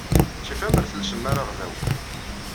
Tif amer ad telsem araɣdaw.